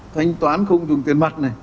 thanh toán không dùng tiền mặt này